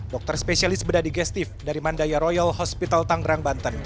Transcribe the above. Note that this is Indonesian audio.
dokter spesialis bedah digestif dari mandaya royal hospital tanggerang banten